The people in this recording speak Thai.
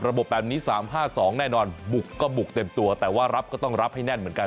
แบบนี้๓๕๒แน่นอนบุกก็บุกเต็มตัวแต่ว่ารับก็ต้องรับให้แน่นเหมือนกัน